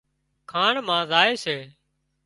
کاڻ مان زائي سي